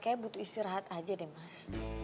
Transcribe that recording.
kayaknya butuh istirahat aja deh mas